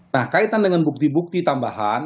nah kaitan dengan bukti bukti tambahan